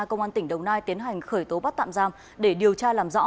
công an tỉnh đồng nai tiến hành khởi tố bắt tạm giam để điều tra làm rõ